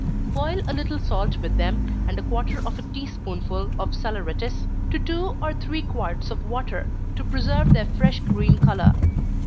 Boil a little salt with them, and a quarter of a tea spoonful of saleratus, to two or three quarts of water, to preserve their fresh green color.